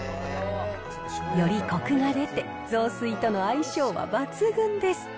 よりこくが出て、雑炊との相性は抜群です。